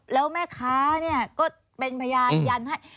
แล้วแม่ค้าก็เป็นพยายามยันให้